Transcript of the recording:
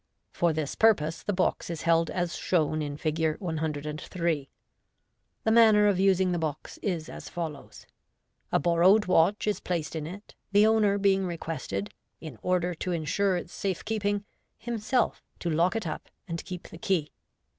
For this purpose the box is held as shown in Fi?. 103. The manner of using the box is as follows : A borrowed watch is placed in it, the owner being requested, in order to ensure its safe FlG. io3# keeping, himself to lock it up and keep the key.